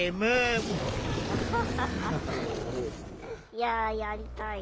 いややりたい。